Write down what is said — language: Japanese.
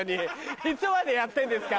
いつまでやってんですか。